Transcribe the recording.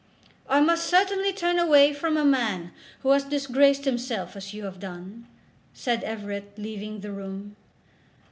"I must certainly turn away from a man who has disgraced himself as you have done," said Everett, leaving the room.